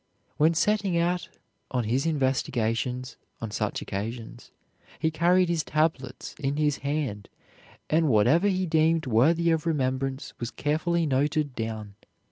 When setting out on his investigations, on such occasions, he carried his tablets in his hand and whatever he deemed worthy of remembrance was carefully noted down.